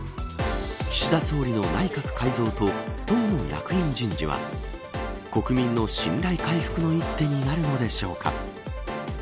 岸田総理の内閣改造と党の役員人事は国民の信頼回復の一手になるのでしょうか。